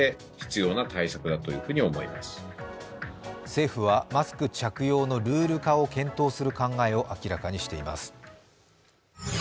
政府はマスク着用のルール化を検討する考えを明らかにしています。